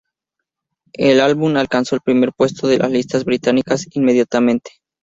El álbum alcanzó el primer puesto de las listas británicas inmediatamente.